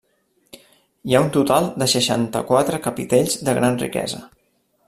Hi ha un total de seixanta-quatre capitells de gran riquesa.